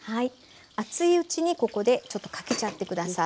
熱いうちにここでかけちゃって下さい。